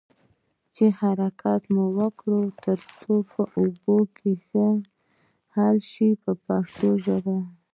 حرکت ورکړئ تر څو په اوبو کې ښه حل شي په پښتو ژبه.